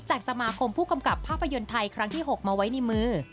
สมาคมผู้กำกับภาพยนตร์ไทยครั้งที่๖มาไว้ในมือ